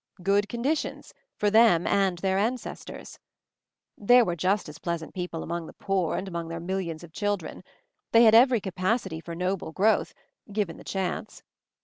Good conditions, for them and their ancestors. There were i i just as pleasant people among the poor and among their millions of children; they had | every capacity for noble growth — given the chance.